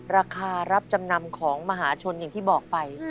ราคารับจำนำของมหาชนอย่างที่บอกไป